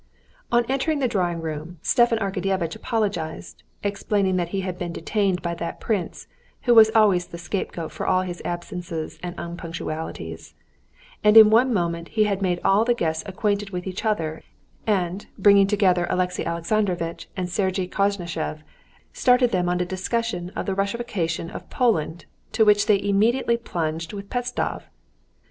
On entering the drawing room Stepan Arkadyevitch apologized, explaining that he had been detained by that prince, who was always the scapegoat for all his absences and unpunctualities, and in one moment he had made all the guests acquainted with each other, and, bringing together Alexey Alexandrovitch and Sergey Koznishev, started them on a discussion of the Russification of Poland, into which they immediately plunged with Pestsov.